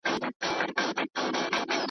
د ارواښاد هاشم ميوندوال د ګوند مساوات غړی شو